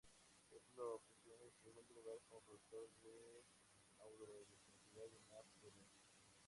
Esto lo posiciona en segundo lugar como productor de hidroelectricidad en la provincia.